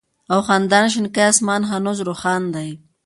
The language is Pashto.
او خندان شينكى آسمان هنوز روښان دى